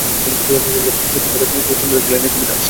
প্রতিটি পাতায় সুন্দর-সুন্দর দুই লাইনের কবিতা।